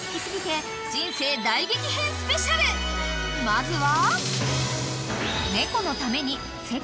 ［まずは］